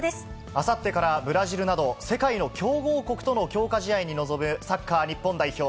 あさってから、ブラジルなど、世界の強豪国との強化試合に臨むサッカー日本代表。